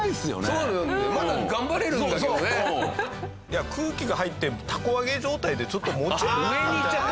いや空気が入ってたこ揚げ状態でちょっと持ち上がった。